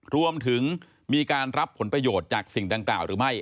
รวมถึงมีการรับผลประโยชน์จากสิ่งดังกล่าวหรือไม่